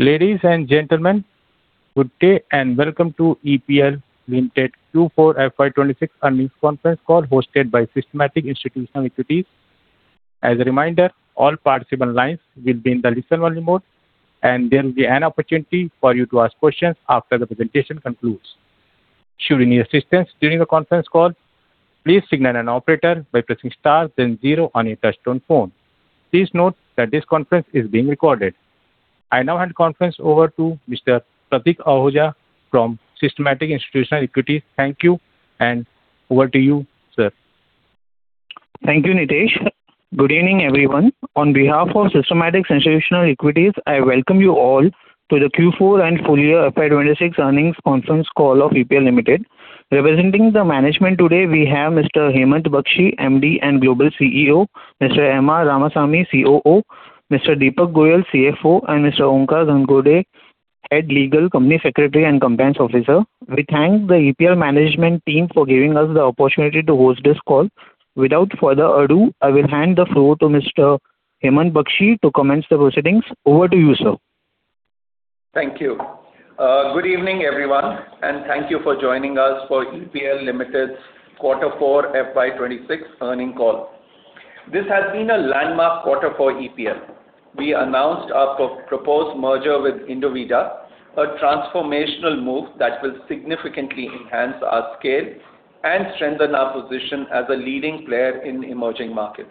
Ladies and gentlemen, good day and welcome to EPL Limited Q4 FY 2026 earnings conference call hosted by Systematix Institutional Equities. As a reminder, all participant lines will be in the listen-only mode, and there will be an opportunity for you to ask questions after the presentation concludes. Should you need assistance during the conference call, please signal an operator by pressing star then zero on your touch-tone phone. Please note that this conference is being recorded. I now hand the conference over to Mr. Pratik Tholiya from Systematix Institutional Equities. Thank you, and over to you, sir. Thank you, Nitesh. Good evening, everyone. On behalf of Systematix Institutional Equities, I welcome you all to the Q4 and full year FY 2026 earnings conference call of EPL Limited. Representing the management today we have Mr. Hemant Bakshi, MD and Global CEO, Mr. M. R. Ramasamy, COO, Mr. Deepak Goyal, CFO, and Mr. Onkar Ghangurde, Head - Legal, Company Secretary and Compliance Officer. We thank the EPL management team for giving us the opportunity to host this call. Without further ado, I will hand the floor to Mr. Hemant Bakshi to commence the proceedings. Over to you, sir. Thank you. good evening, everyone, and thank you for joining us for EPL Limited's Quarter Four FY 2026 earnings call. This has been a landmark quarter for EPL. We announced our proposed merger with Indovida, a transformational move that will significantly enhance our scale and strengthen our position as a leading player in emerging markets.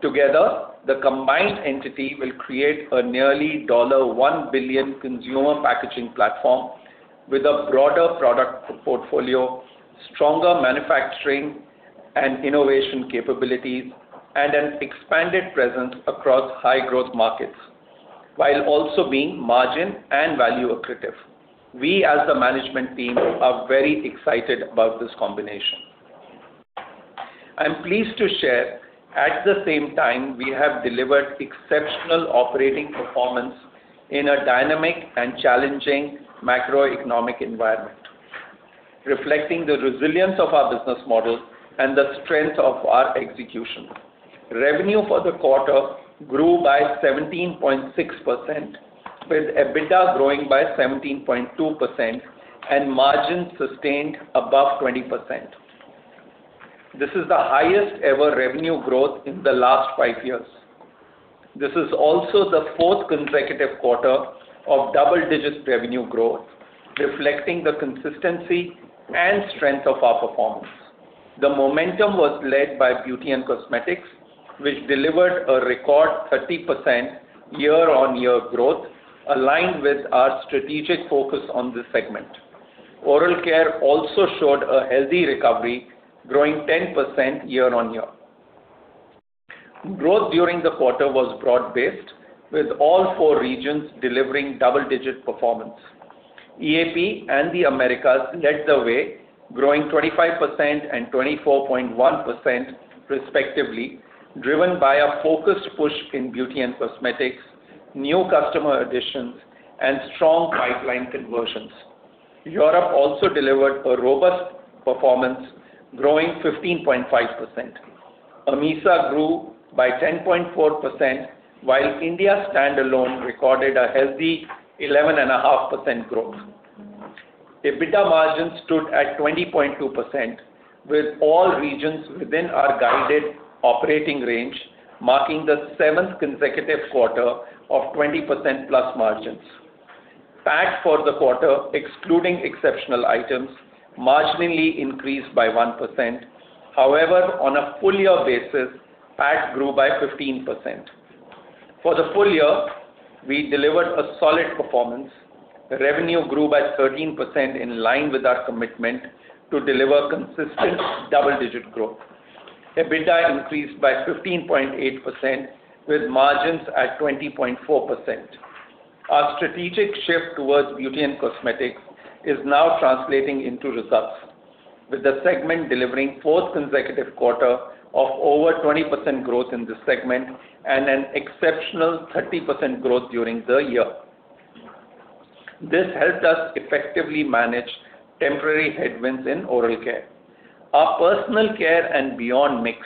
Together, the combined entity will create a nearly $1 billion consumer packaging platform with a broader product portfolio, stronger manufacturing and innovation capabilities, and an expanded presence across high growth markets, while also being margin and value accretive. We, as a management team, are very excited about this combination. I'm pleased to share at the same time we have delivered exceptional operating performance in a dynamic and challenging macroeconomic environment, reflecting the resilience of our business model and the strength of our execution. Revenue for the quarter grew by 17.6%, with EBITDA growing by 17.2% and margins sustained above 20%. This is the highest ever revenue growth in the last five years. This is also the fourth consecutive quarter of double-digit revenue growth, reflecting the consistency and strength of our performance. The momentum was led by beauty and cosmetics, which delivered a record 30% year-on-year growth aligned with our strategic focus on this segment. Oral Care also showed a healthy recovery, growing 10% year-on-year. Growth during the quarter was broad-based, with all four regions delivering double-digit performance. EAP and the Americas led the way, growing 25% and 24.1% respectively, driven by a focused push in beauty and cosmetics, new customer additions and strong pipeline conversions. Europe also delivered a robust performance, growing 15.5%. AMESA grew by 10.4%, while India standalone recorded a healthy 11.5% growth. EBITDA margin stood at 20.2%, with all regions within our guided operating range, marking the seventh consecutive quarter of 20%+ margins. PAT for the quarter, excluding exceptional items, marginally increased by 1%. On a full year basis, PAT grew by 15%. For the full year, we delivered a solid performance. The revenue grew by 13% in line with our commitment to deliver consistent double-digit growth. EBITDA increased by 15.8% with margins at 20.4%. Our strategic shift towards Beauty and Cosmetics is now translating into results, with the segment delivering fourth consecutive quarter of over 20% growth in this segment and an exceptional 30% growth during the year. This helped us effectively manage temporary headwinds in Oral Care. Our personal care and beyond mix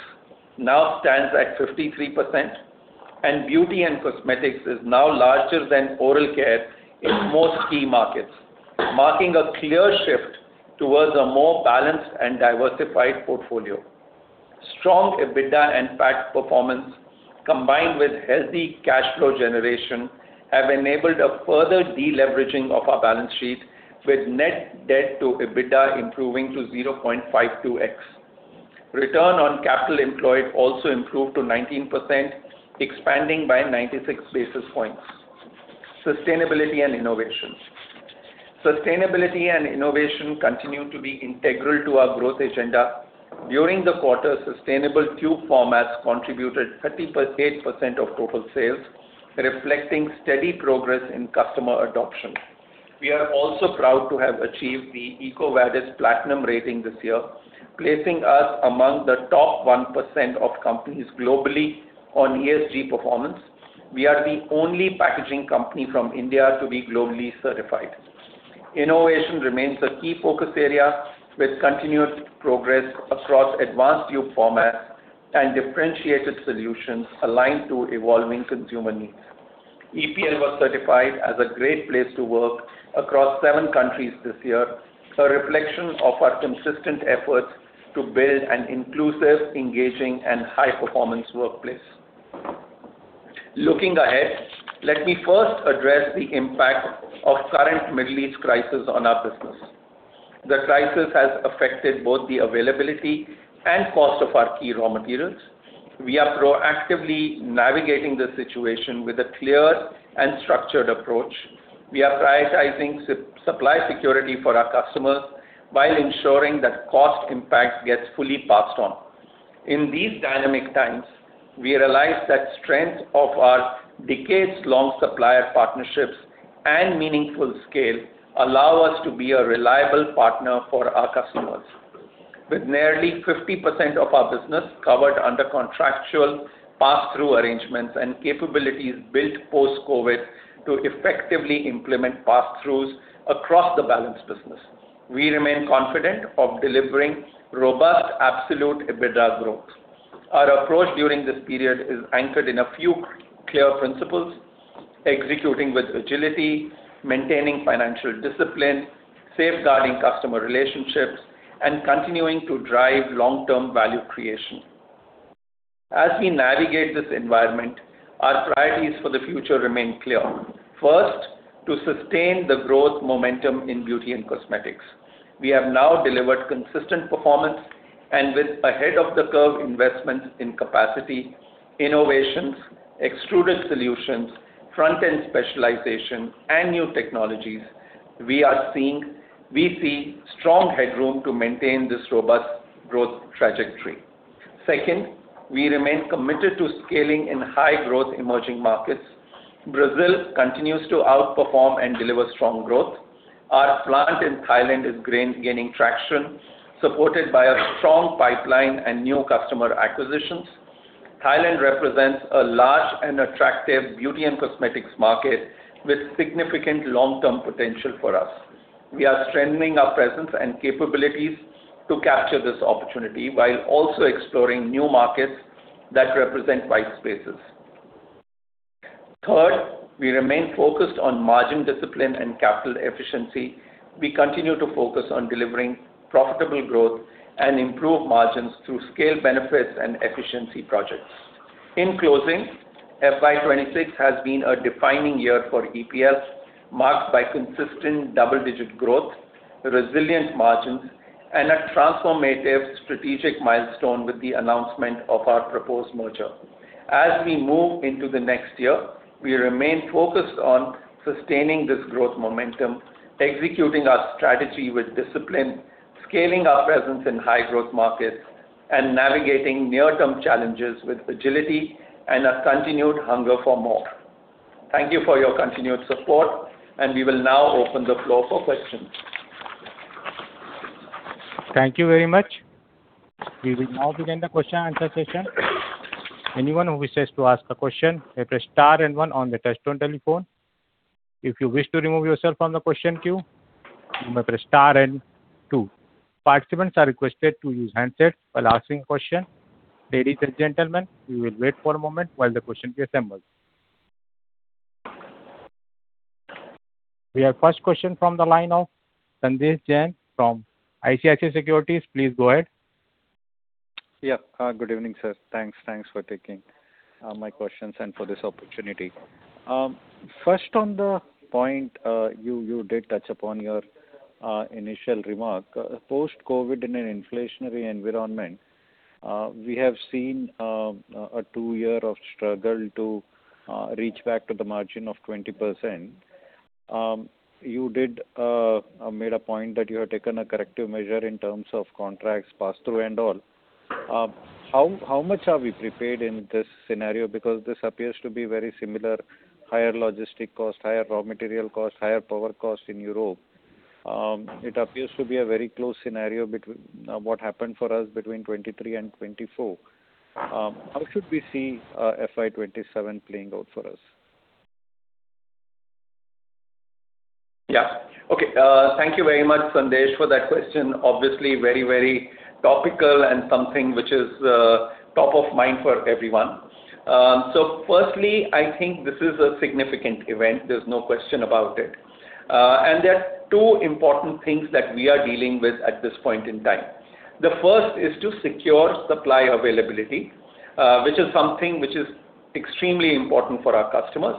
now stands at 53%. Beauty and cosmetics is now larger than Oral Care in most key markets, marking a clear shift towards a more balanced and diversified portfolio. Strong EBITDA and PAT performance combined with healthy cash flow generation have enabled a further deleveraging of our balance sheet with net debt to EBITDA improving to 0.52x. Return on capital employed also improved to 19%, expanding by 96 basis points. Sustainability and innovation. Sustainability and innovation continue to be integral to our growth agenda. During the quarter, sustainable tube formats contributed 38% of total sales, reflecting steady progress in customer adoption. We are also proud to have achieved the EcoVadis Platinum rating this year, placing us among the top 1% of companies globally on ESG performance. We are the only packaging company from India to be globally certified. Innovation remains a key focus area with continuous progress across advanced tube formats and differentiated solutions aligned to evolving consumer needs. EPL was certified as a Great Place to Work across seven countries this year, a reflection of our consistent efforts to build an inclusive, engaging, and high-performance workplace. Looking ahead, let me first address the impact of current Middle East crisis on our business. The crisis has affected both the availability and cost of our key raw materials. We are proactively navigating the situation with a clear and structured approach. We are prioritizing supply security for our customers while ensuring that cost impact gets fully passed on. In these dynamic times, we realize that strength of our decades-long supplier partnerships and meaningful scale allow us to be a reliable partner for our customers. With nearly 50% of our business covered under contractual passthrough arrangements and capabilities built post-COVID to effectively implement passthroughs across the balanced business, we remain confident of delivering robust absolute EBITDA growth. Our approach during this period is anchored in a few clear principles, executing with agility, maintaining financial discipline, safeguarding customer relationships, and continuing to drive long-term value creation. As we navigate this environment, our priorities for the future remain clear. First, to sustain the growth momentum in beauty and cosmetics. We have now delivered consistent performance, and with ahead of the curve investments in capacity, innovations, extruded solutions, front-end specialization, and new technologies, we see strong headroom to maintain this robust growth trajectory. Second, we remain committed to scaling in high-growth emerging markets. Brazil continues to outperform and deliver strong growth. Our plant in Thailand is gaining traction, supported by a strong pipeline and new customer acquisitions. Thailand represents a large and attractive beauty and cosmetics market with significant long-term potential for us. We are strengthening our presence and capabilities to capture this opportunity while also exploring new markets that represent white spaces. Third, we remain focused on margin discipline and capital efficiency. We continue to focus on delivering profitable growth and improved margins through scale benefits and efficiency projects. In closing, FY 2026 has been a defining year for EPL, marked by consistent double-digit growth, resilient margins, and a transformative strategic milestone with the announcement of our proposed merger. As we move into the next year, we remain focused on sustaining this growth momentum, executing our strategy with discipline, scaling our presence in high-growth markets, and navigating near-term challenges with agility and a continued hunger for more. Thank you for your continued support, and we will now open the floor for questions. Thank you very much. We will now begin the question and answer session. Ladies and gentlemen, we will wait for a moment while the questions get assembled. We have first question from the line of Sanjesh Jain from ICICI Securities. Please go ahead. Good evening, sir. Thanks. Thanks for taking my questions and for this opportunity. First, on the point, you did touch upon your initial remark. Post-COVID in an inflationary environment, we have seen a two year of struggle to reach back to the margin of 20%. You did made a point that you have taken a corrective measure in terms of contracts passthrough and all. How much are we prepared in this scenario? Because this appears to be very similar, higher logistic cost, higher raw material cost, higher power cost in Europe. It appears to be a very close scenario what happened for us between 2023 and 2024. How should we see FY 2027 playing out for us? Yeah. Okay. Thank you very much, Sanjesh, for that question. Obviously very, very topical and something which is top of mind for everyone. Firstly, I think this is a significant event. There's no question about it. There are two important things that we are dealing with at this point in time. The first is to secure supply availability, which is something which is extremely important for our customers,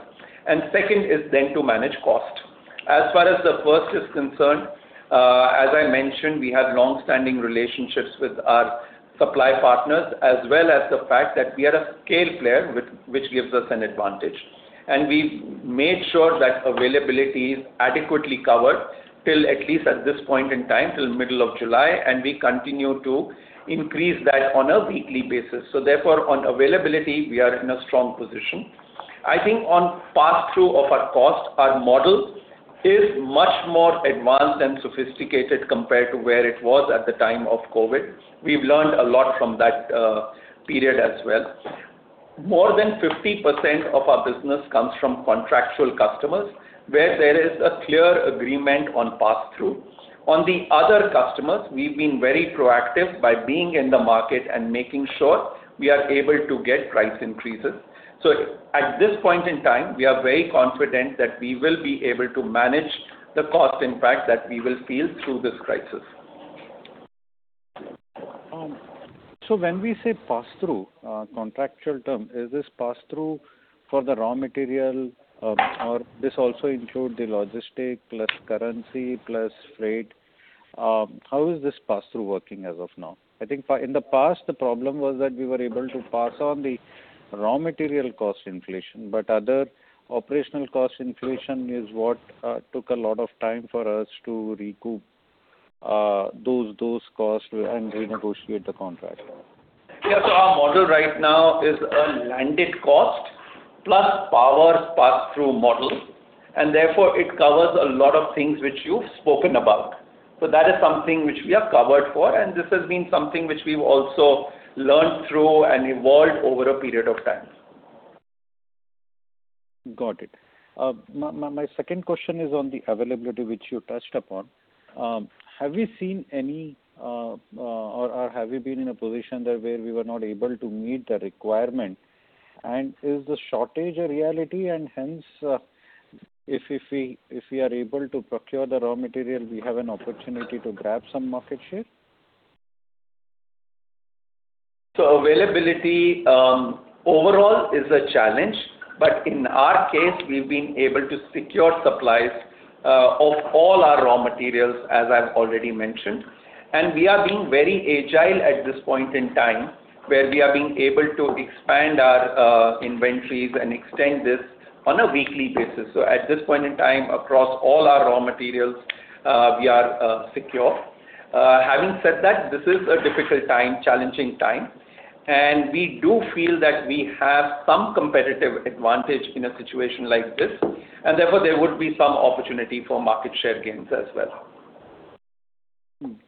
and second is then to manage cost. As far as the first is concerned, as I mentioned, we have longstanding relationships with our supply partners, as well as the fact that we are a scale player, which gives us an advantage. We've made sure that availability is adequately covered till, at least at this point in time, till middle of July, and we continue to increase that on a weekly basis. Therefore, on availability, we are in a strong position. I think on passthrough of our cost, our model is much more advanced and sophisticated compared to where it was at the time of COVID. We've learned a lot from that period as well. More than 50% of our business comes from contractual customers, where there is a clear agreement on pass-through. On the other customers, we've been very proactive by being in the market and making sure we are able to get price increases. At this point in time, we are very confident that we will be able to manage the cost impact that we will feel through this crisis. When we say pass-through, contractual term, is this pass-through for the raw material, or this also include the logistic plus currency plus freight? How is this pass-through working as of now? I think in the past, the problem was that we were able to pass on the raw material cost inflation, but other operational cost inflation is what took a lot of time for us to recoup those costs and renegotiate the contract. Yeah. Our model right now is a landed cost plus power pass-through model, and therefore it covers a lot of things which you've spoken about. That is something which we have covered for, and this has been something which we've also learned through and evolved over a period of time. Got it. My second question is on the availability which you touched upon. Have you seen any, or have you been in a position that where we were not able to meet the requirement? Is the shortage a reality, and hence, if we are able to procure the raw material, we have an opportunity to grab some market share? Availability, overall is a challenge. In our case, we've been able to secure supplies of all our raw materials, as I've already mentioned. We are being very agile at this point in time, where we are being able to expand our inventories and extend this on a weekly basis. At this point in time, across all our raw materials, we are secure. Having said that, this is a difficult time, challenging time, and we do feel that we have some competitive advantage in a situation like this, and therefore there would be some opportunity for market share gains as well.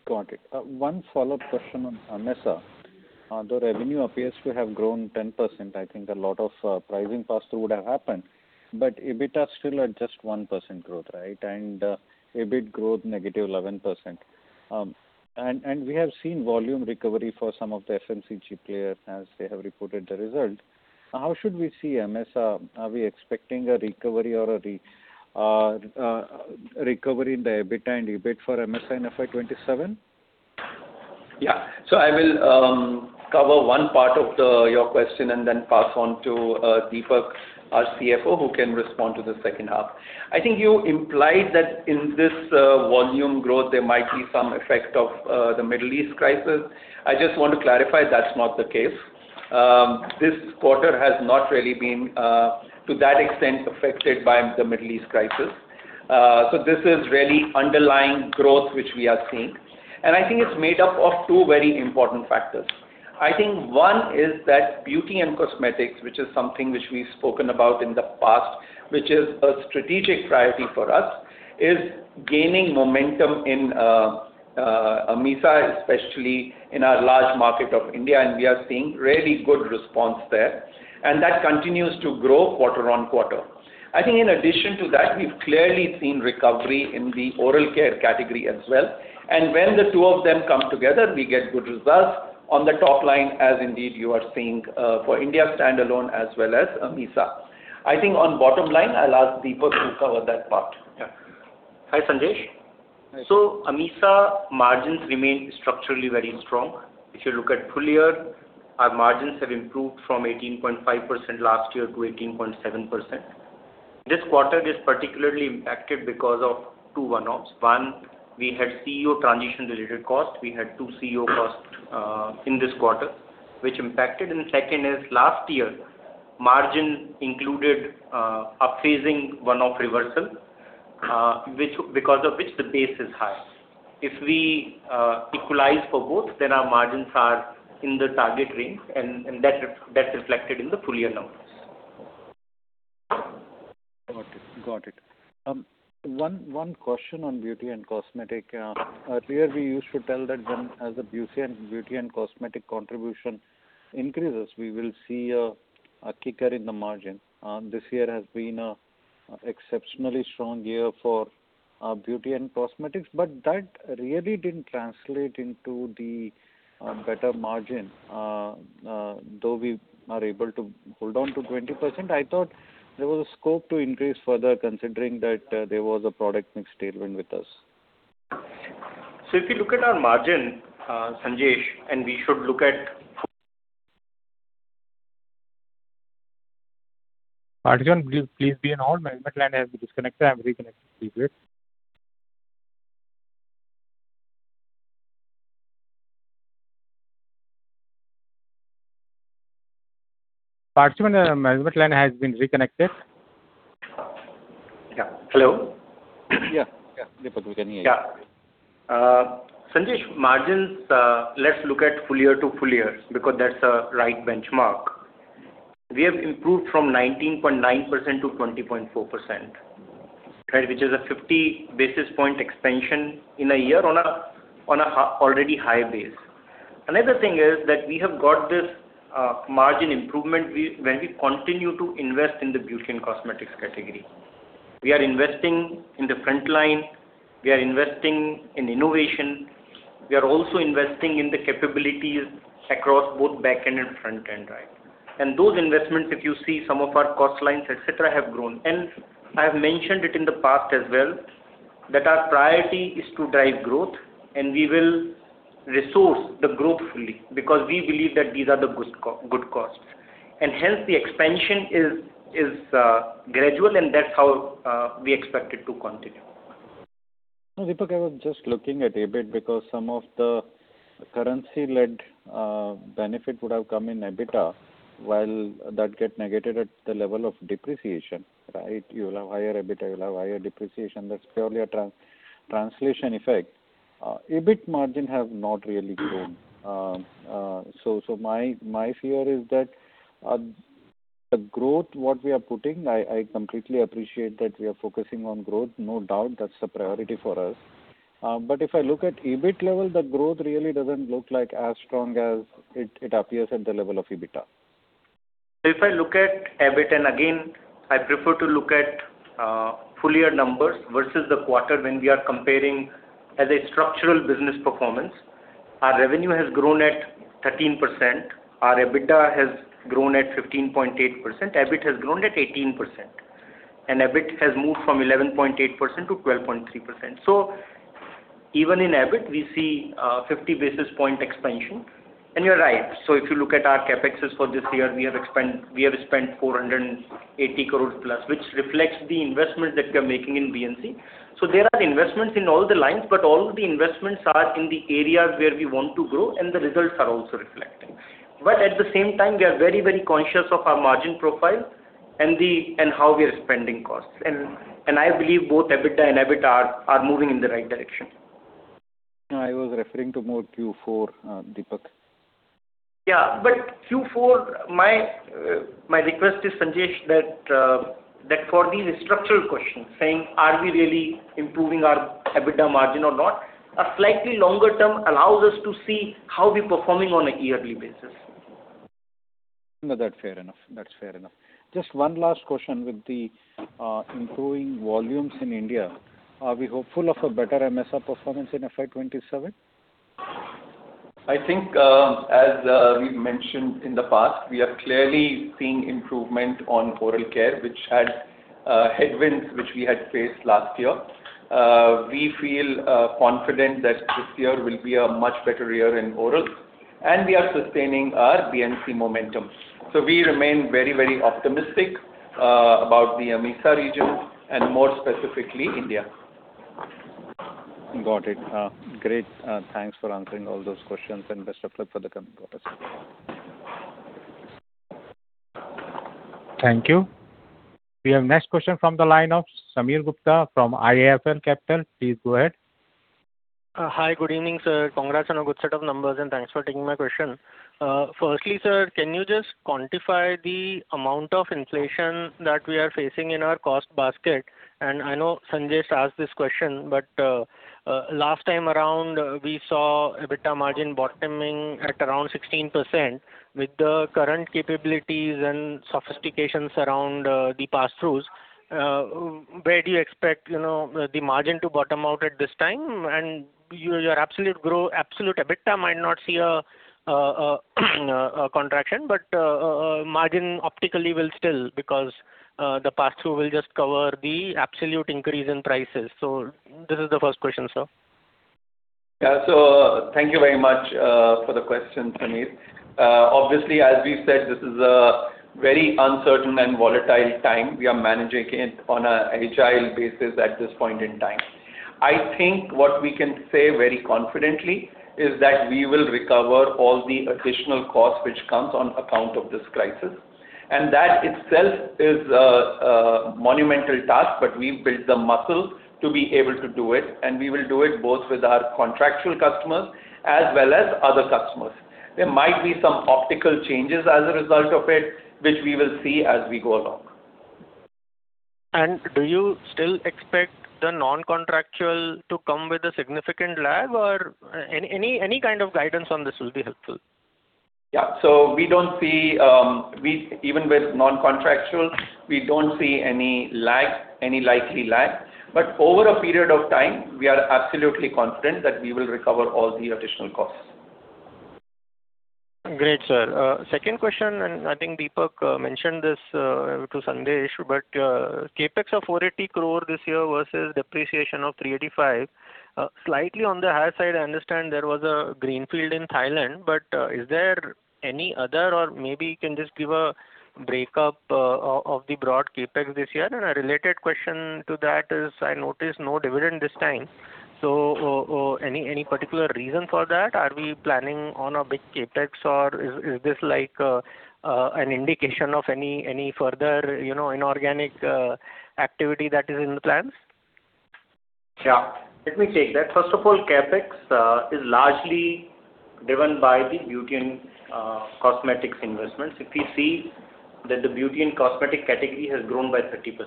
Got it. One follow-up question on AMESA. The revenue appears to have grown 10%. I think a lot of pricing pass-through would have happened. EBITDA is still at just 1% growth, right? EBIT growth -11%. We have seen volume recovery for some of the FMCG players as they have reported the result. How should we see AMESA? Are we expecting a recovery or a recovery in the EBITDA and EBIT for AMESA in FY 2027? Yeah. I will cover one part of the, your question and then pass on to Deepak, our CFO, who can respond to the second half. I think you implied that in this volume growth, there might be some effect of the Middle East crisis. I just want to clarify, that's not the case. This quarter has not really been to that extent affected by the Middle East crisis. This is really underlying growth which we are seeing. I think it's made up of two very important factors. I think one is that beauty and cosmetics, which is something which we've spoken about in the past, which is a strategic priority for us, is gaining momentum in AMESA, especially in our large market of India, and we are seeing really good response there. That continues to grow quarter-on-quarter. I think in addition to that, we've clearly seen recovery in the Oral Care category as well. When the two of them come together, we get good results on the top line as indeed you are seeing for India standalone as well as AMESA. I think on bottom line, I'll ask Deepak to cover that part. Yeah. Hi, Sanjesh. Hi. AMESA margins remain structurally very strong. If you look at full year, our margins have improved from 18.5% last year to 18.7%. This quarter is particularly impacted because of two one-offs. One, we had CEO transition related cost. We had two CEO costs in this quarter, which impacted. Second is last year, margin included one-off reversal, because of which the base is high. If we equalize for both, then our margins are in the target range and that's reflected in the full year numbers. Got it. one question on beauty and cosmetic. Earlier we used to tell that when as the beauty and cosmetic contribution increases, we will see a kicker in the margin. This year has been a exceptionally strong year for beauty and cosmetics, but that really didn't translate into the better margin. Though we are able to hold on to 20%, I thought there was a scope to increase further considering that there was a product mix tailwind with us. If you look at our margin, Sanjesh. Pardon, please be on hold. Management line has disconnected. I'm reconnecting. Please wait. Pardon, management line has been reconnected. Yeah. Hello? Yeah. Deepak, we can hear you. Yeah. Sanjesh, margins, let's look at full year to full year because that's the right benchmark. We have improved from 19.9% to 20.4%. Right, which is a 50 basis point expansion in a year on a already high base. Another thing is that we have got this margin improvement when we continue to invest in the beauty and cosmetics category. We are investing in the front line. We are investing in innovation. We are also investing in the capabilities across both back-end and front-end, right? Those investments, if you see some of our cost lines, et cetera, have grown. I have mentioned it in the past as well, that our priority is to drive growth, and we will resource the growth fully, because we believe that these are the good good costs. Hence the expansion is gradual, and that's how we expect it to continue. No, Deepak, I was just looking at EBIT because some of the currency-led benefit would have come in EBITDA, while that get negated at the level of depreciation, right? You'll have higher EBITDA, you'll have higher depreciation. That's purely a translation effect. EBIT margin have not really grown. So my fear is that the growth what we are putting, I completely appreciate that we are focusing on growth. No doubt that's the priority for us. If I look at EBIT level, the growth really doesn't look like as strong as it appears at the level of EBITDA. If I look at EBIT, again, I prefer to look at full year numbers versus the quarter when we are comparing as a structural business performance. Our revenue has grown at 13%, our EBITDA has grown at 15.8%, EBIT has grown at 18%, EBIT has moved from 11.8% to 12.3%. Even in EBIT we see 50 basis point expansion. You're right, if you look at our CapEx for this year, we have spent 480 crore+, which reflects the investment that we are making in B&C. There are investments in all the lines, but all of the investments are in the areas where we want to grow and the results are also reflecting. At the same time, we are very, very conscious of our margin profile and how we are spending costs. I believe both EBITDA and EBIT are moving in the right direction. No, I was referring to more Q4, Deepak. Yeah. Q4, my request is, Sanjesh, that for these structural questions saying, are we really improving our EBITDA margin or not, a slightly longer term allows us to see how we're performing on a yearly basis. No, that's fair enough. That's fair enough. Just one last question. With the improving volumes in India, are we hopeful of a better AMESA performance in FY 2027? I think, as we've mentioned in the past, we are clearly seeing improvement on Oral Care, which had headwinds which we had faced last year. We feel confident that this year will be a much better year in oral, and we are sustaining our B&C momentum. We remain very, very optimistic about the AMESA region and more specifically India. Got it. Great. Thanks for answering all those questions and best of luck for the coming quarters. Thank you. We have next question from the line of Sameer Gupta from IIFL Capital. Please go ahead. Hi. Good evening, sir. Congrats on a good set of numbers. Thanks for taking my question. Firstly, sir, can you just quantify the amount of inflation that we are facing in our cost basket? I know Sanjesh asked this question, but last time around we saw EBITDA margin bottoming at around 16%. With the current capabilities and sophistications around the passthroughs, where do you expect, you know, the margin to bottom out at this time? Your absolute EBITDA might not see a contraction, but a margin optically will still because the passthrough will just cover the absolute increase in prices. This is the first question, sir. Yeah. Thank you very much for the question, Sameer. Obviously, as we said, this is a very uncertain and volatile time. We are managing it on a agile basis at this point in time. I think what we can say very confidently is that we will recover all the additional costs which comes on account of this crisis. That itself is a monumental task, but we've built the muscle to be able to do it, and we will do it both with our contractual customers as well as other customers. There might be some optical changes as a result of it, which we will see as we go along. Do you still expect the non-contractual to come with a significant lag or any kind of guidance on this will be helpful? Yeah. We don't see, even with non-contractual, we don't see any lag, any likely lag. Over a period of time, we are absolutely confident that we will recover all the additional costs. Great, sir. Second question, I think Deepak mentioned this to Sanjesh, CapEx of 480 crore this year versus depreciation of 385 crore, slightly on the higher side. I understand there was a greenfield in Thailand, is there any other or maybe you can just give a breakup of the broad CapEx this year? A related question to that is I notice no dividend this time. Any particular reason for that? Are we planning on a big CapEx, or is this like an indication of any further, you know, inorganic activity that is in the plans? Let me take that. First of all, CapEx is largely driven by the beauty and cosmetics investments. If you see that the beauty and cosmetic category has grown by 30%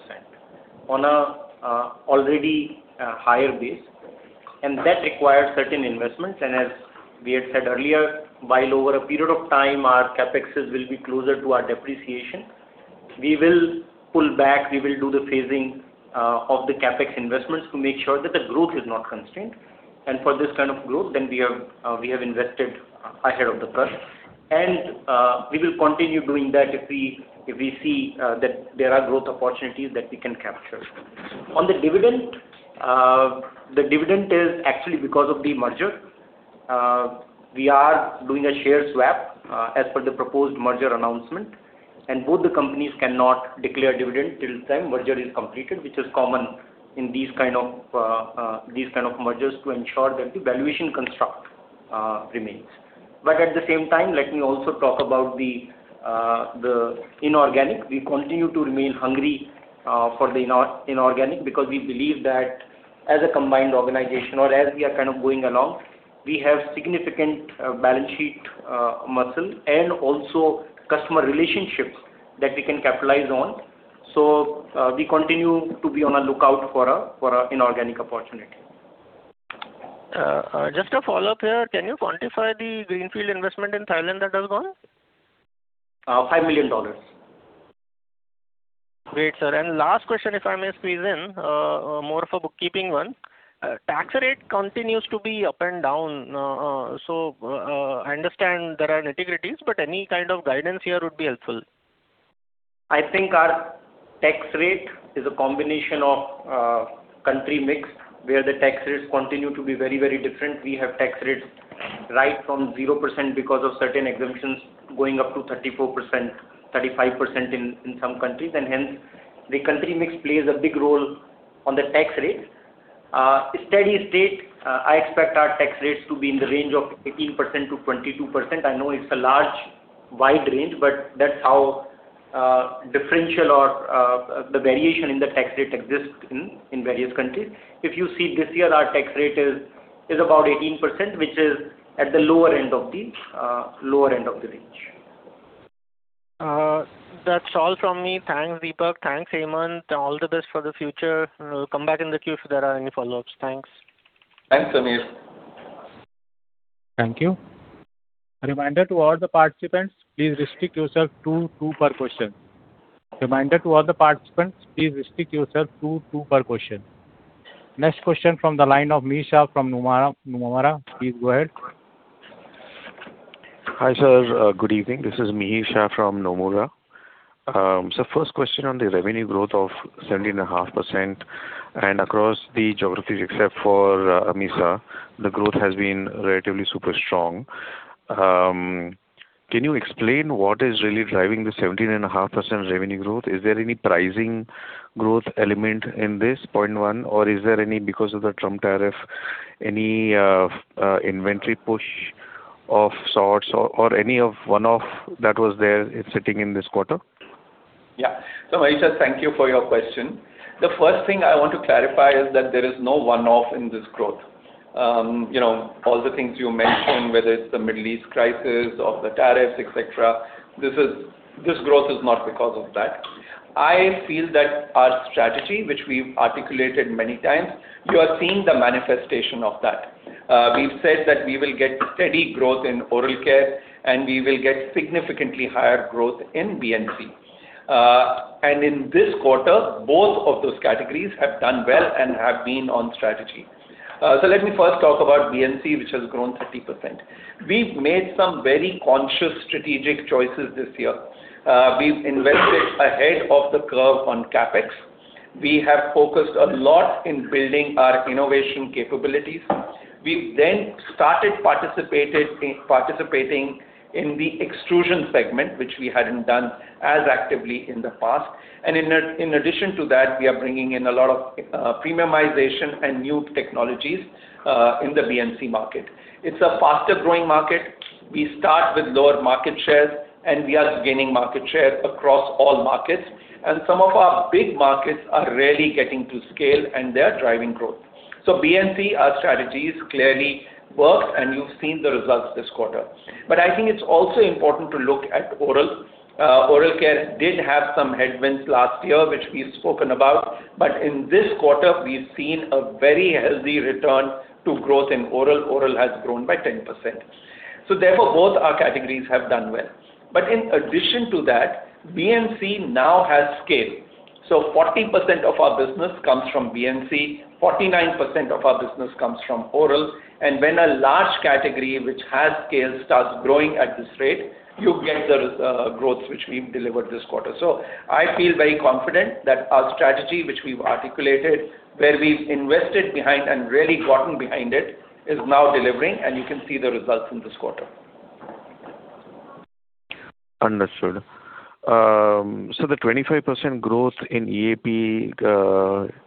on a already higher base, and that requires certain investments. As we had said earlier, while over a period of time our CapEx will be closer to our depreciation, we will pull back. We will do the phasing of the CapEx investments to make sure that the growth is not constrained. For this kind of growth, we have invested ahead of the curve. We will continue doing that if we see that there are growth opportunities that we can capture. On the dividend, the dividend is actually because of the merger. We are doing a share swap as per the proposed merger announcement. Both the companies cannot declare dividend till the time merger is completed, which is common in these kind of mergers to ensure that the valuation construct remains. At the same time, let me also talk about the inorganic. We continue to remain hungry for the inorganic because we believe that as a combined organization or as we are kind of going along, we have significant balance sheet muscle and also customer relationships that we can capitalize on. We continue to be on a lookout for an inorganic opportunity. Just a follow-up here. Can you quantify the greenfield investment in Thailand that has gone? $5 million. Great, sir. Last question, if I may squeeze in, more of a bookkeeping one. Tax rate continues to be up and down. I understand there are nitty-gritties, but any kind of guidance here would be helpful. I think our tax rate is a combination of country mix, where the tax rates continue to be very, very different. We have tax rates right from 0% because of certain exemptions going up to 34%, 35% in some countries, and hence the country mix plays a big role on the tax rates. Steady state, I expect our tax rates to be in the range of 18% to 22%. I know it's a large, wide range, but that's how differential or the variation in the tax rate exists in various countries. If you see this year, our tax rate is about 18%, which is at the lower end of the range. That's all from me. Thanks, Deepak. Thanks, Hemant. All the best for the future. I'll come back in the queue if there are any follow-ups. Thanks. Thanks, Sameer. Thank you. A reminder to all the participants, please restrict yourself to two per question. Next question from the line of Mihir Shah from Nomura. Please go ahead. Hi, sir. good evening. This is Mihir Shah from Nomura. First question on the revenue growth of 17.5% and across the geographies except for AMESA, the growth has been relatively super strong. Can you explain what is really driving the 17.5% revenue growth? Is there any pricing growth element in this, point one? Is there any because of the Trump tariff, any inventory push of sorts or any of one-off that was there sitting in this quarter? Yeah. Mihir, thank you for your question. The first thing I want to clarify is that there is no one-off in this growth. you know, all the things you mentioned, whether it's the Middle East crisis or the tariffs, et cetera, this growth is not because of that. I feel that our strategy, which we've articulated many times, you are seeing the manifestation of that. We've said that we will get steady growth in Oral Care and we will get significantly higher growth in B&C. In this quarter, both of those categories have done well and have been on strategy. Let me first talk about B&C, which has grown 30%. We've made some very conscious strategic choices this year. We've invested ahead of the curve on CapEx. We have focused a lot in building our innovation capabilities. We've started participating in the extrusion segment, which we hadn't done as actively in the past. In addition to that, we are bringing in a lot of premiumization and new technologies in the B&C market. It's a faster-growing market. We start with lower market shares, we are gaining market share across all markets. Some of our big markets are really getting to scale, they are driving growth. B&C, our strategies clearly worked, you've seen the results this quarter. I think it's also important to look at oral. Oral Care did have some headwinds last year, which we've spoken about. In this quarter, we've seen a very healthy return to growth in oral. Oral has grown by 10%. Therefore, both our categories have done well. In addition to that, B&C now has scale. 40% of our business comes from B&C, 49% of our business comes from oral. When a large category which has scale starts growing at this rate, you get the growth which we've delivered this quarter. I feel very confident that our strategy, which we've articulated, where we've invested behind and really gotten behind it, is now delivering, and you can see the results in this quarter. Understood. The 25% growth in EAP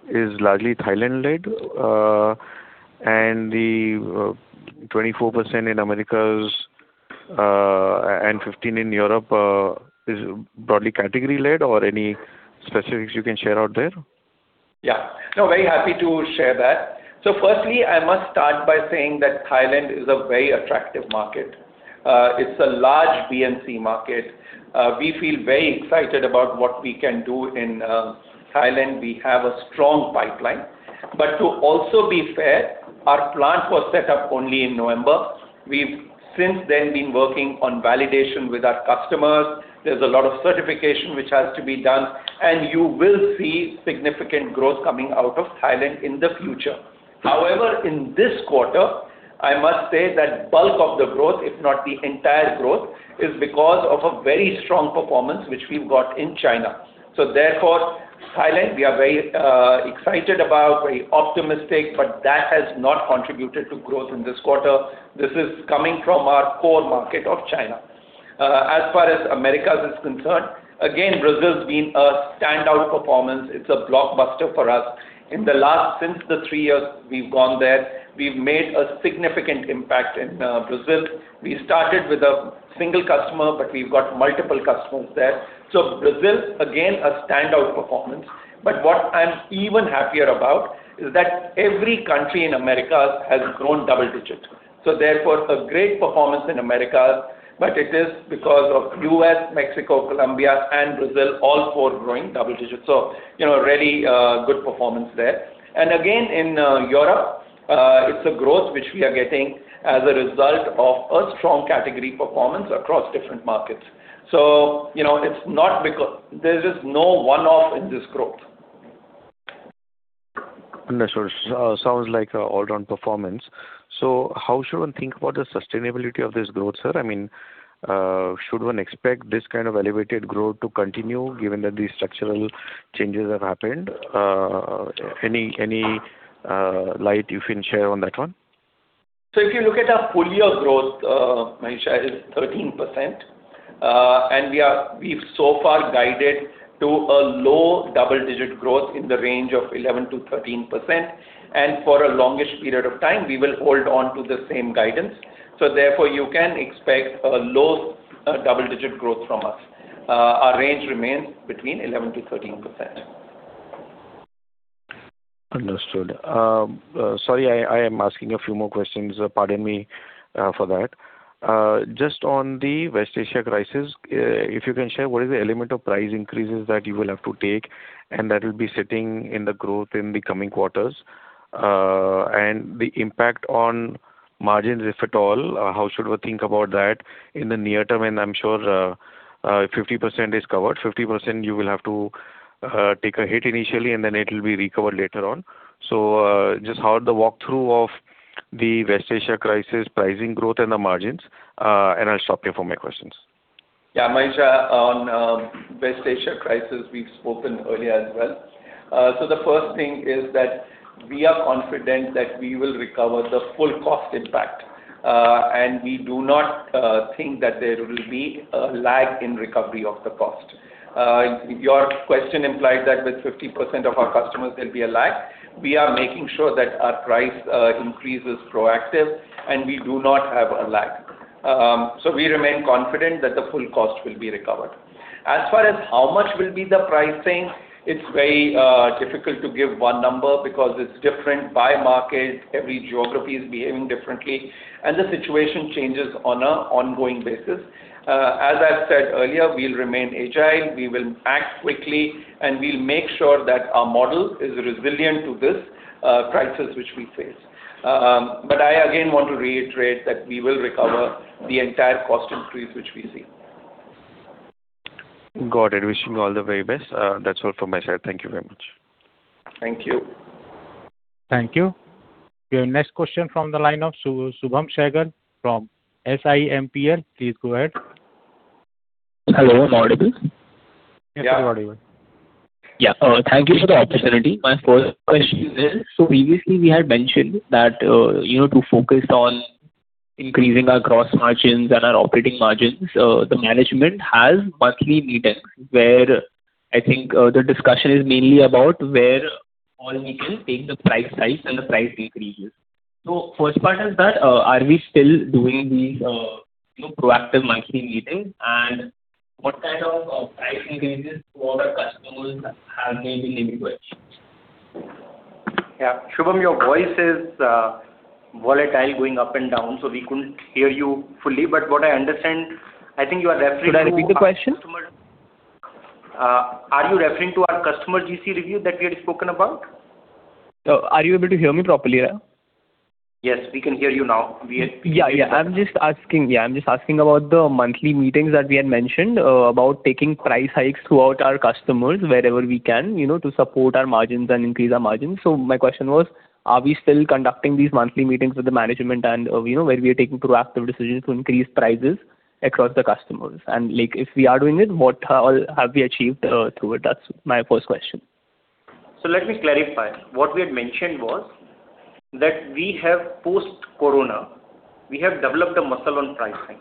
is largely Thailand-led. The 24% in Americas and 15 in Europe is broadly category-led or any specifics you can share out there? Very happy to share that. Firstly, I must start by saying that Thailand is a very attractive market. It's a large B&C market. We feel very excited about what we can do in Thailand. We have a strong pipeline. To also be fair, our plant was set up only in November. We've since then been working on validation with our customers. There's a lot of certification which has to be done, and you will see significant growth coming out of Thailand in the future. However, in this quarter, I must say that bulk of the growth, if not the entire growth, is because of a very strong performance which we've got in China. Therefore, Thailand, we are very excited about, very optimistic, but that has not contributed to growth in this quarter. This is coming from our core market of China. As far as Americas is concerned, again, Brazil's been a standout performance. It's a blockbuster for us. Since the three years we've gone there, we've made a significant impact in Brazil. We started with a single customer, but we've got multiple customers there. Brazil, again, a standout performance. What I'm even happier about is that every country in Americas has grown double digit. Therefore, a great performance in Americas, but it is because of U.S., Mexico, Colombia and Brazil all four growing double digit. you know, a really good performance there. Again, in Europe, it's a growth which we are getting as a result of a strong category performance across different markets. you know, it's not because There's just no one-off in this growth. Understood. Sounds like a all-round performance. How should one think about the sustainability of this growth, sir? I mean, should one expect this kind of elevated growth to continue given that these structural changes have happened? Any light you can share on that one? If you look at our full year growth, Mihir Shah, is 13%. We've so far guided to a low double-digit growth in the range of 11%-13%. For a longish period of time, we will hold on to the same guidance. Therefore, you can expect a low, double-digit growth from us. Our range remains between 11%-13%. Understood. Sorry, I am asking a few more questions. Pardon me for that. Just on the West Asia crisis, if you can share what is the element of price increases that you will have to take and that will be sitting in the growth in the coming quarters, and the impact on margins, if at all, how should we think about that in the near term? I'm sure 50% is covered. 50% you will have to take a hit initially, and then it will be recovered later on. Just how the walkthrough of the West Asia crisis, pricing growth and the margins, I'll stop here for my questions. Yeah, Mihir Shah, on West Asia crisis, we've spoken earlier as well. The first thing is that we are confident that we will recover the full cost impact, and we do not think that there will be a lag in recovery of the cost. Your question implies that with 50% of our customers there'll be a lag. We are making sure that our price increase is proactive, we do not have a lag. We remain confident that the full cost will be recovered. As far as how much will be the pricing, it's very difficult to give one number because it's different by market. Every geography is behaving differently, the situation changes on an ongoing basis. As I said earlier, we'll remain agile, we will act quickly, and we'll make sure that our model is resilient to this crisis which we face. I again want to reiterate that we will recover the entire cost increase which we see. Got it. Wishing you all the very best. That's all from my side. Thank you very much. Thank you. Thank you. Your next question from the line of Shubham Shegar from SIMPR. Please go ahead. Hello. I'm audible? Yeah. You're audible. Yeah. Thank you for the opportunity. My first question is, previously we had mentioned that, you know, to focus on increasing our gross margins and our operating margins, the management has monthly meetings where I think, the discussion is mainly about where all we can take the price hikes and the price increases. First part is that, are we still doing these, you know, proactive monthly meetings? What kind of, price increases to our customers have maybe been put? Yeah. Shubham, your voice is volatile, going up and down, so we couldn't hear you fully. What I understand, I think you are referring to our customer. Should I repeat the question? Are you referring to our customer GM review that we had spoken about? Are you able to hear me properly now? Yes, we can hear you now. Yeah, yeah. I'm just asking about the monthly meetings that we had mentioned, about taking price hikes throughout our customers wherever we can, you know, to support our margins and increase our margins. My question was, are we still conducting these monthly meetings with the management and, you know, where we are taking proactive decisions to increase prices across the customers? Like, if we are doing it, what all have we achieved through it? That's my first question. Let me clarify. What we had mentioned was that we have post-corona, we have developed a muscle on pricing.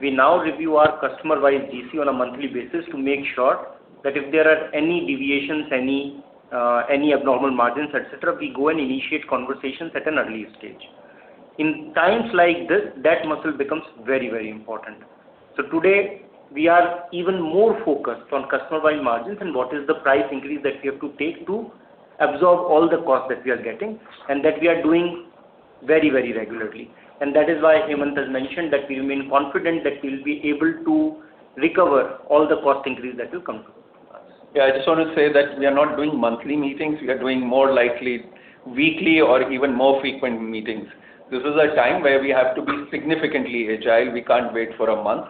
We now review our customer-wise GM on a monthly basis to make sure that if there are any deviations, any abnormal margins, et cetera, we go and initiate conversations at an early stage. In times like this, that muscle becomes very, very important. Today, we are even more focused on customer-wide margins and what is the price increase that we have to take to absorb all the costs that we are getting, and that we are doing very, very regularly. That is why Hemant has mentioned that we remain confident that we will be able to recover all the cost increase that will come to us. Yeah, I just want to say that we are not doing monthly meetings. We are doing more likely weekly or even more frequent meetings. This is a time where we have to be significantly agile. We can't wait for a month.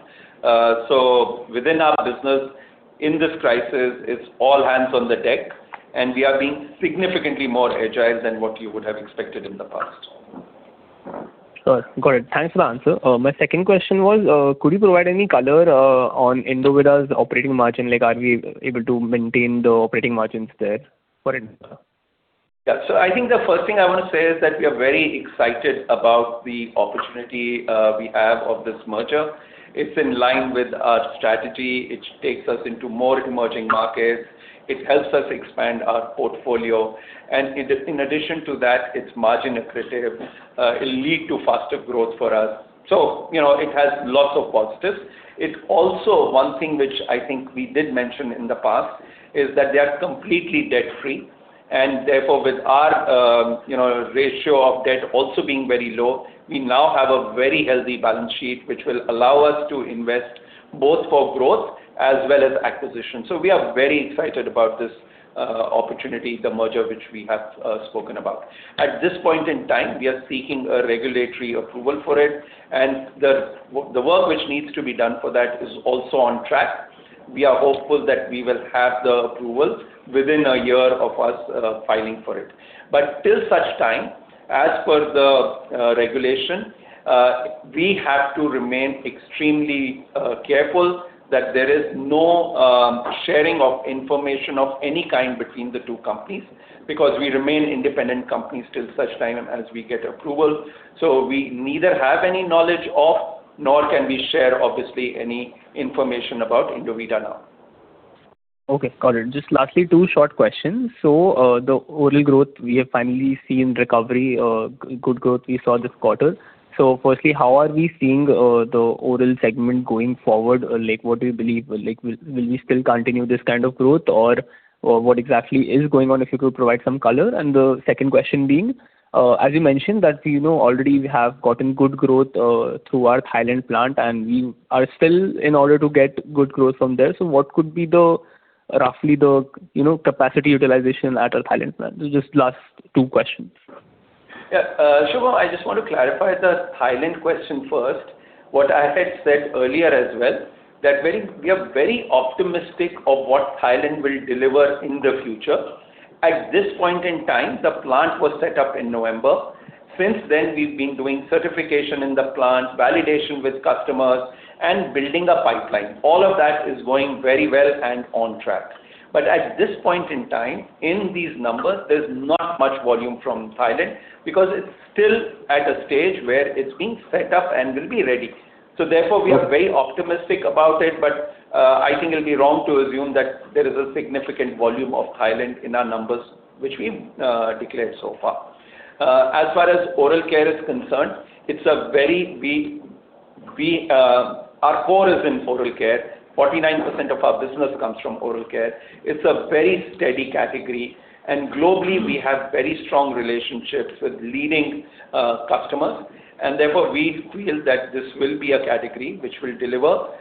Within our business, in this crisis, it's all hands on the deck, and we are being significantly more agile than what you would have expected in the past. Sure. Got it. Thanks for the answer. My second question was, could you provide any color on Indovida's operating margin? Like, are we able to maintain the operating margins there for Indovida? I think the first thing I want to say is that we are very excited about the opportunity we have of this merger. It's in line with our strategy. It takes us into more emerging markets. It helps us expand our portfolio. In addition to that, it's margin accretive. It'll lead to faster growth for us. You know, it has lots of positives. One thing which I think we did mention in the past, is that they are completely debt-free, and therefore, with our, you know, ratio of debt also being very low, we now have a very healthy balance sheet, which will allow us to invest both for growth as well as acquisition. We are very excited about this opportunity, the merger which we have spoken about. At this point in time, we are seeking a regulatory approval for it. The work which needs to be done for that is also on track. We are hopeful that we will have the approval within a year of us filing for it. Till such time, as per the regulation, we have to remain extremely careful that there is no sharing of information of any kind between the two companies, because we remain independent companies till such time as we get approval. We neither have any knowledge of, nor can we share, obviously, any information about Indovida now. Okay. Got it. Just lastly, two short questions. The oral growth, we have finally seen recovery, good growth we saw this quarter. Firstly, how are we seeing the oral segment going forward? What do you believe? Will we still continue this kind of growth or what exactly is going on, if you could provide some color? The second question being, as you mentioned, that we know already we have gotten good growth through our Thailand plant, and we are still in order to get good growth from there. What could be the roughly the, you know, capacity utilization at our Thailand plant? These are just last two questions. Shubham, I just want to clarify the Thailand question first. What I had said earlier as well, that we are very optimistic of what Thailand will deliver in the future. At this point in time, the plant was set up in November. Since then, we've been doing certification in the plant, validation with customers, and building a pipeline. All of that is going very well and on track. At this point in time, in these numbers, there's not much volume from Thailand because it's still at a stage where it's being set up and will be ready. Therefore, we are very optimistic about it. I think it'll be wrong to assume that there is a significant volume of Thailand in our numbers which we declared so far. As far as Oral Care is concerned, it's a very big. Our core is in Oral Care. 49% of our business comes from Oral Care. It's a very steady category, and globally we have very strong relationships with leading customers, and therefore we feel that this will be a category which will deliver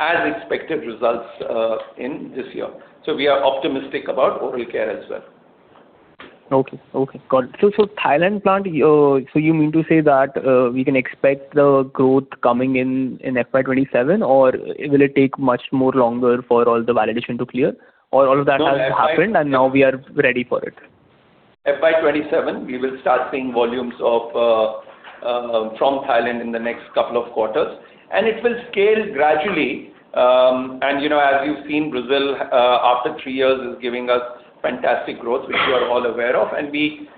as expected results in this year. We are optimistic about Oral Care as well. Okay. Okay. Got it. Thailand plant, you mean to say that, we can expect the growth coming in FY 2027, or will it take much more longer for all the validation to clear? All of that has happened and now we are ready for it? FY 2027, we will start seeing volumes of from Thailand in the next couple of quarters, and it will scale gradually. You know, as you've seen, Brazil after three years is giving us fantastic growth, which you are all aware of, and we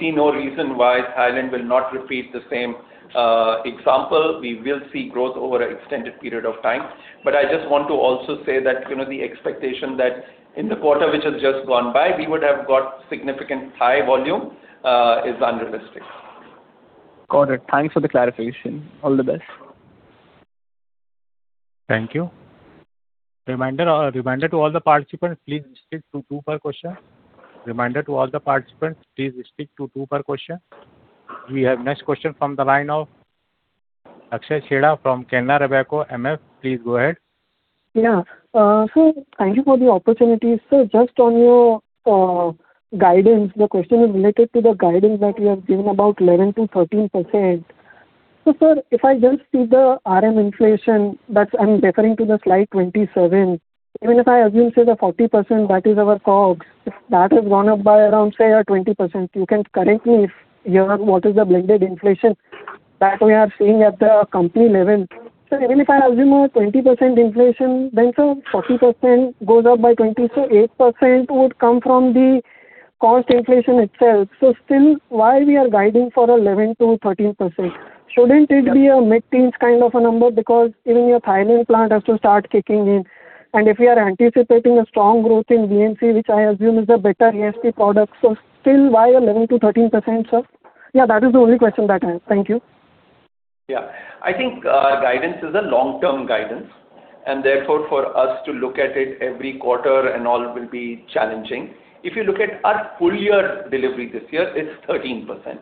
see no reason why Thailand will not repeat the same example. We will see growth over an extended period of time. I just want to also say that, you know, the expectation that in the quarter which has just gone by, we would have got significant high volume is unrealistic. Got it. Thanks for the clarification. All the best. Thank you. Reminder to all the participants, please stick to two per question. Reminder to all the participants, please stick to two per question. We have next question from the line of Akshay Chheda from Canara Robeco MF. Please go ahead. Thank you for the opportunity. Just on your guidance, the question is related to the guidance that you have given about 11%-13%. Sir, if I just see the RM inflation, I'm referring to the slide 27. Even if I assume, say, the 40%, that is our COGS, if that has gone up by around, say, 20%, you can correct me what is the blended inflation that we are seeing at the company level. Even if I assume a 20% inflation, 40% goes up by 20, 8% would come from Cost inflation itself. Still, why we are guiding for 11%-13%? Shouldn't it be a mid-teens kind of a number because even your Thailand plant has to start kicking in, and if you are anticipating a strong growth in B&C, which I assume is a better ASP product, so still why 11%-13%, sir? Yeah, that is the only question that I have. Thank you. I think guidance is a long-term guidance, therefore, for us to look at it every quarter and all will be challenging. If you look at our full year delivery this year, it's 13%.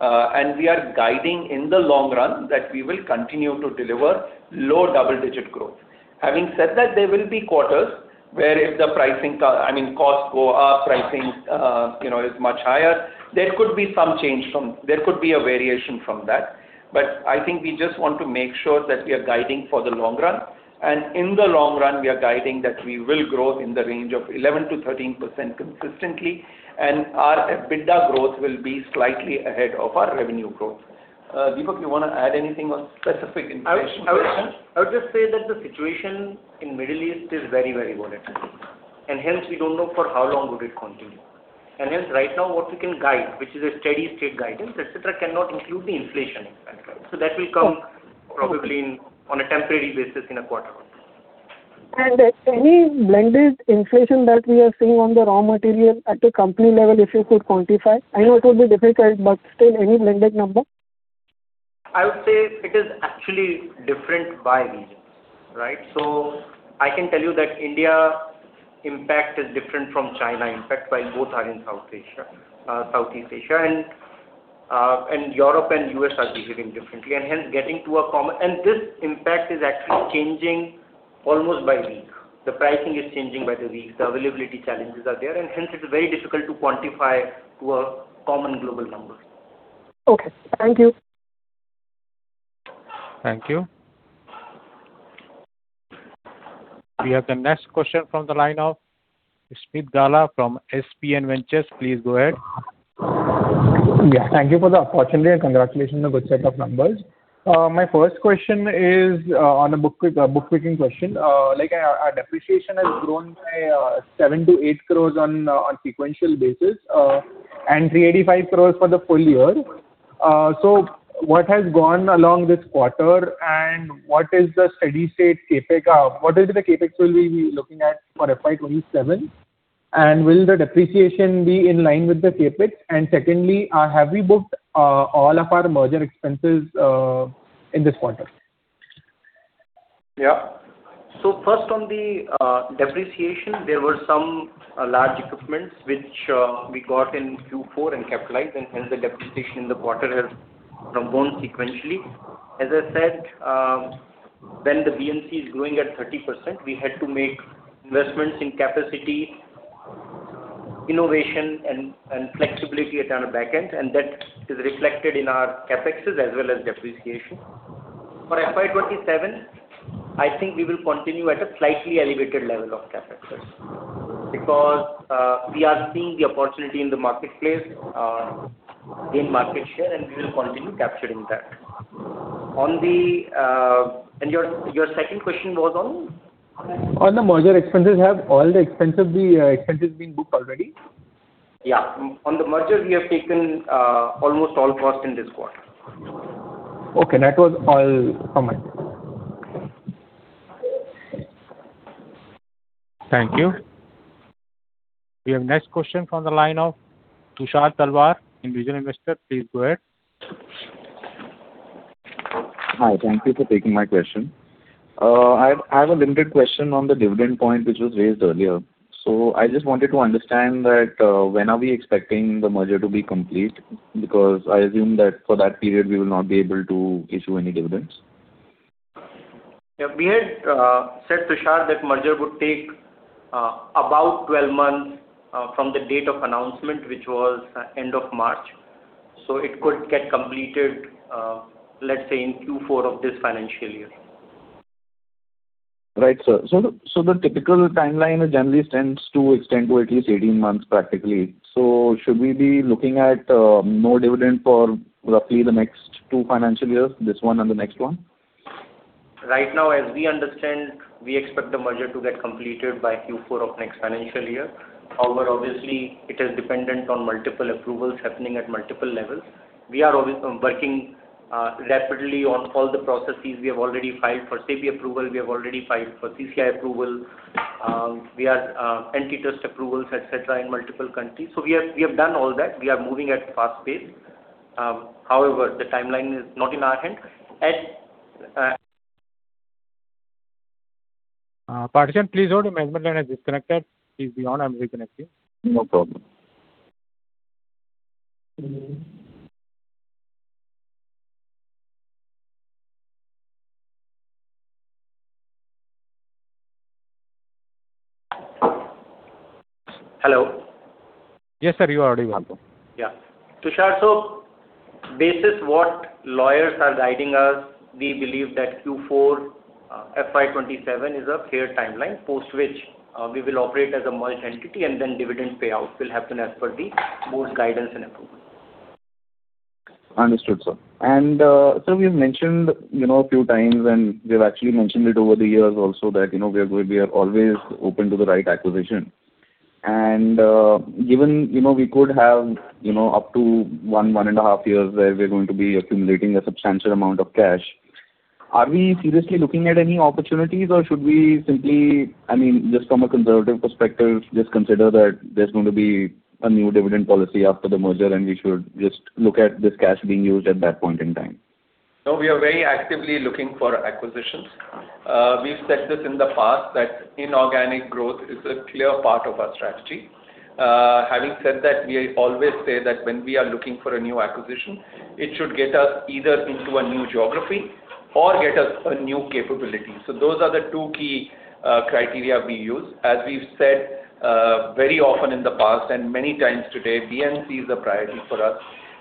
We are guiding in the long run that we will continue to deliver low double-digit growth. Having said that, there will be quarters where if the pricing I mean, costs go up, pricing, you know, is much higher, there could be some change from there could be a variation from that. I think we just want to make sure that we are guiding for the long run. In the long run, we are guiding that we will grow in the range of 11%-13% consistently, and our EBITDA growth will be slightly ahead of our revenue growth. Deepak, you want to add anything on specific inflation question? I would just say that the situation in Middle East is very, very volatile, and hence we don't know for how long would it continue. Hence, right now what we can guide, which is a steady state guidance, et cetera, cannot include the inflation aspect. That will come probably in, on a temporary basis in a quarter. Any blended inflation that we are seeing on the raw material at a company level, if you could quantify? I know it will be difficult, but still any blended number? I would say it is actually different by region, right? I can tell you that India impact is different from China impact, while both are in South Asia, Southeast Asia, and Europe and U.S. are behaving differently. This impact is actually changing almost by week. The pricing is changing by the week. The availability challenges are there, and hence it's very difficult to quantify to a common global number. Okay. Thank you. Thank you. We have the next question from the line of Smith Gala from RSPN Ventures. Please go ahead. Thank you for the opportunity, and congratulations on the good set of numbers. My first question is on a book picking question. Our depreciation has grown by 7 crores-8 crores on sequential basis, and 385 crores for the full year. What has gone along this quarter, and what is the steady state CapEx, what is the CapEx will we be looking at for FY 2027? Will the depreciation be in line with the CapEx? Secondly, have we booked all of our merger expenses in this quarter? Yeah. First on the depreciation, there were some large equipments which we got in Q4 and capitalized, and hence the depreciation in the quarter has grown sequentially. As I said, when the B&C is growing at 30%, we had to make investments in capacity, innovation and flexibility at our back end, and that is reflected in our CapEx as well as depreciation. For FY 2027, I think we will continue at a slightly elevated level of CapEx, because we are seeing the opportunity in the marketplace, gain market share, and we will continue capturing that. On the. Your second question was on? On the merger expenses. Have all the expenses been booked already? Yeah. On the merger, we have taken almost all costs in this quarter. Okay. That was all comment. Thank you. We have next question from the line of Tushar Talwar, Individual Investor. Please go ahead. Hi. Thank you for taking my question. I have a limited question on the dividend point, which was raised earlier. I just wanted to understand that when are we expecting the merger to be complete? Because I assume that for that period, we will not be able to issue any dividends. Yeah. We had said, Tushar, that merger would take about 12 months from the date of announcement, which was end of March. It could get completed, let's say in Q4 of this financial year. Right, sir. The typical timeline generally tends to extend to at least 18 months, practically. Should we be looking at, no dividend for roughly the next two financial years, this one and the next one? Right now, as we understand, we expect the merger to get completed by Q4 of next financial year. However, obviously, it is dependent on multiple approvals happening at multiple levels. We are always working rapidly on all the processes. We have already filed for SEBI approval. We have already filed for CCI approval. We are antitrust approvals, et cetera, in multiple countries. We have done all that. We are moving at fast pace. However, the timeline is not in our hand. [Parthshan], please hold. The management line has disconnected. Please be on. I'm reconnecting. No problem. Hello. Yes, sir, you are already welcome. Yeah. Tushar, basis what lawyers are guiding us, we believe that Q4, FY 2027 is a fair timeline, post which, we will operate as a merged entity and then dividend payout will happen as per the board guidance and approval. Understood, sir. You've mentioned, you know, a few times, and we've actually mentioned it over the years also that, you know, we are always open to the right acquisition. given, you know, we could have, you know, up to one and a half years where we are going to be accumulating a substantial amount of cash. Are we seriously looking at any opportunities or should we simply, I mean, just from a conservative perspective, just consider that there's going to be a new dividend policy after the merger, and we should just look at this cash being used at that point in time? No, we are very actively looking for acquisitions. We've said this in the past that inorganic growth is a clear part of our strategy. Having said that, we always say that when we are looking for a new acquisition, it should get us either into a new geography or get us a new capability. Those are the two key criteria we use. As we've said, very often in the past and many times today, B&C is a priority for us.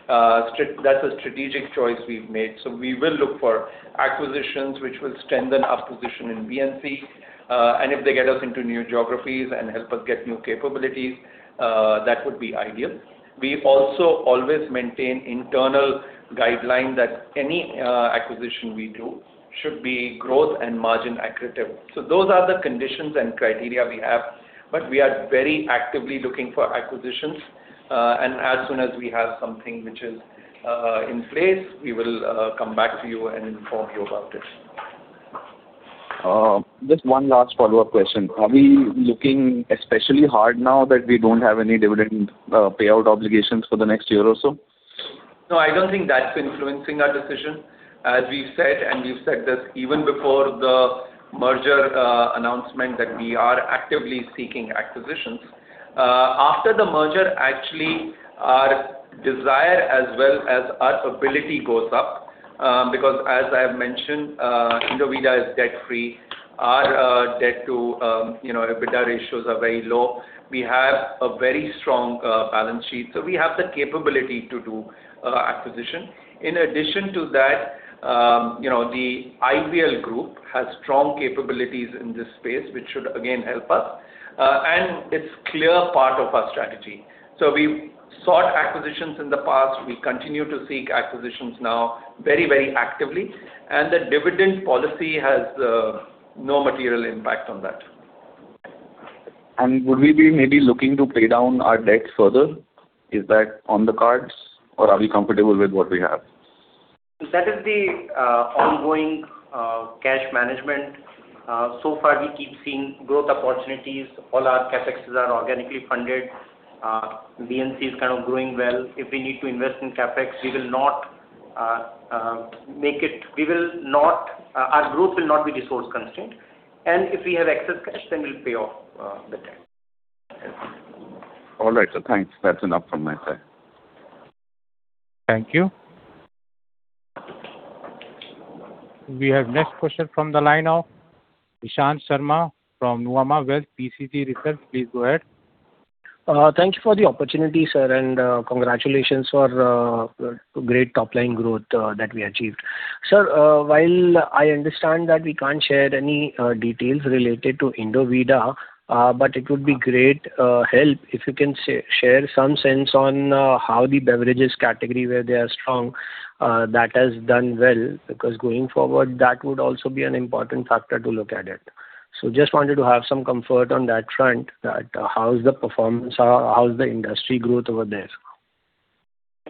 That's a strategic choice we've made. We will look for acquisitions which will strengthen our position in B&C. If they get us into new geographies and help us get new capabilities, that would be ideal. We also always maintain internal guideline that any acquisition we do should be growth and margin accretive. Those are the conditions and criteria we have, but we are very actively looking for acquisitions. As soon as we have something which is in place, we will come back to you and inform you about it. Just one last follow-up question. Are we looking especially hard now that we don't have any dividend payout obligations for the next year or so? No, I don't think that's influencing our decision. As we've said, and we've said this even before the merger, announcement that we are actively seeking acquisitions. After the merger, actually, our desire as well as our ability goes up, because as I have mentioned, Indovida is debt-free. Our debt to, you know, EBITDA ratios are very low. We have a very strong balance sheet, so we have the capability to do acquisition. In addition to that, you know, the Indorama Ventures has strong capabilities in this space, which should again help us, and it's clear part of our strategy. We've sought acquisitions in the past. We continue to seek acquisitions now very, very actively, and the dividend policy has no material impact on that. Would we be maybe looking to pay down our debt further? Is that on the cards or are we comfortable with what we have? That is the ongoing cash management. So far, we keep seeing growth opportunities. All our CapExes are organically funded. B&C is kind of growing well. If we need to invest in CapEx, we will not our group will not be resource-constrained. If we have excess cash, then we'll pay off the debt. All right, sir. Thanks. That is enough from my side. Thank you. We have next question from the line of Nishant Sharma from Nuvama Wealth PCG Research. Please go ahead. Thank you for the opportunity, sir, and congratulations for the great top-line growth that we achieved. Sir, while I understand that we can't share any details related to Indovida, but it would be great help if you can share some sense on how the beverages category where they are strong, that has done well, because going forward, that would also be an important factor to look at it. Just wanted to have some comfort on that front that how is the performance, how is the industry growth over there?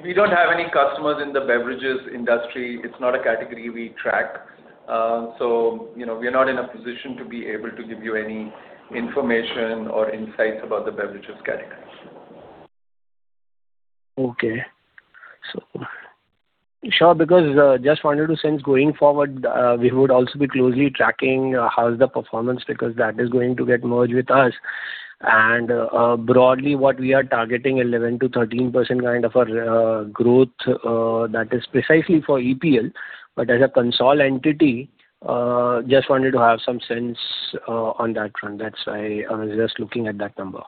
We don't have any customers in the beverages industry. It's not a category we track. You know, we are not in a position to be able to give you any information or insights about the beverages category. Sure, because, just wanted to sense going forward, we would also be closely tracking how is the performance because that is going to get merged with us. Broadly, what we are targeting 11%-13% kind of a growth, that is precisely for EPL. As a consolidated entity, just wanted to have some sense on that front. That's why I was just looking at that number.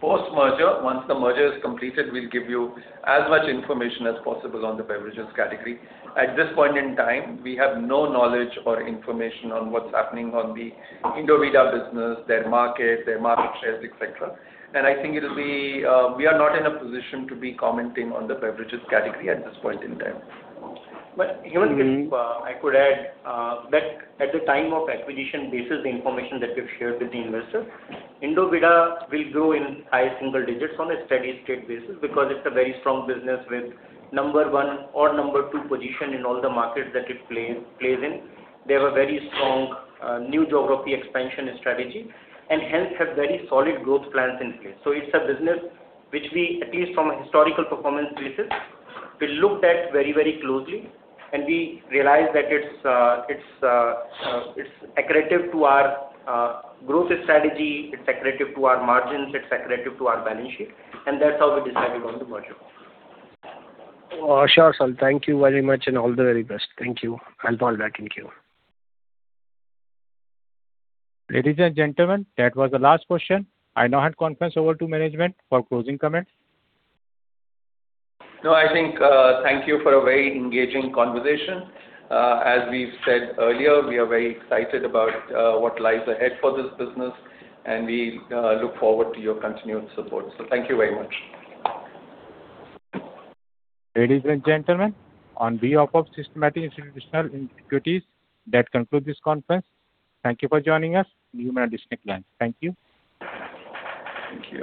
Post-merger, once the merger is completed, we'll give you as much information as possible on the beverages category. At this point in time, we have no knowledge or information on what's happening on the Indovida business, their market, their market shares, et cetera. I think it'll be, we are not in a position to be commenting on the beverages category at this point in time. Hemant, if I could add, that at the time of acquisition, this is the information that we've shared with the investor. Indovida will grow in high single digits on a steady-state basis because it's a very strong business with number one or number two position in all the markets that it plays in. They have a very strong new geography expansion strategy and hence have very solid growth plans in place. It's a business which we, at least from a historical performance basis, we looked at very, very closely, and we realized that it's, it's accretive to our growth strategy, it's accretive to our margins, it's accretive to our balance sheet, and that's how we decided on the merger. Oh, sure, sir. Thank you very much and all the very best. Thank you. I'll call back. Thank you. Ladies and gentlemen, that was the last question. I now hand conference over to management for closing comments. No, I think, thank you for a very engaging conversation. As we've said earlier, we are very excited about, what lies ahead for this business, and we look forward to your continued support. Thank you very much. Ladies and gentlemen, on behalf of Systematix Institutional Equities, that concludes this conference. Thank you for joining us. You may disconnect lines. Thank you. Thank you.